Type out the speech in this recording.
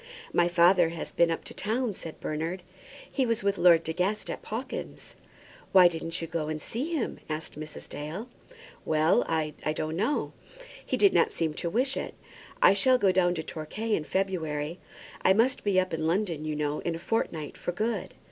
"My father has been up in town," said Bernard. "He was with Lord De Guest at Pawkins's." "Why didn't you go and see him?" asked Mrs. Dale. "Well, I don't know. He did not seem to wish it. I shall go down to Torquay in February. I must be up in London, you know, in a fortnight, for good."